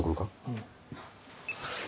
うん。